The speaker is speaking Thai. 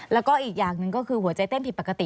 แล้วก็อีกอย่างหนึ่งก็คือหัวใจเต้นผิดปกติ